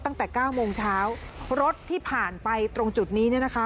ตั้งแต่๙โมงเช้ารถที่ผ่านไปตรงจุดนี้นะคะ